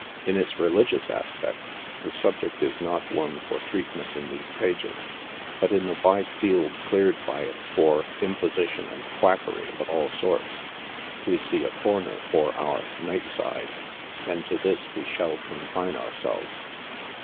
In its religious aspect, the subject is not one for treatment in these pages ; but in the wide field cleared by it for im position and quackery of all sorts, we see a corner for our " Night Side," and to this we shall confine ourselves.